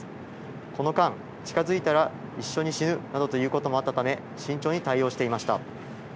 この間、近づいたら一緒に死ぬなどと言うこともあったため、慎重に対応していました。